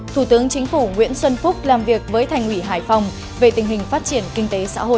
thủ tướng chính phủ nguyễn xuân phúc làm việc với thành ủy hải phòng về tình hình phát triển kinh tế xã hội